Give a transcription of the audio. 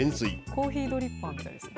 コーヒードリッパーみたいですね。